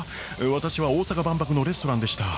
私は大阪万博のレストランでした。